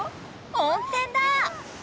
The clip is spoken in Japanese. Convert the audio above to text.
温泉だ！